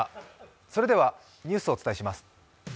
それではニュースをお伝えします。